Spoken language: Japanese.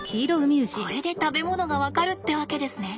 これで食べ物が分かるってわけですね。